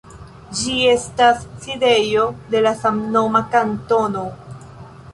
Ĝi estas sidejo de la samnoma kantono.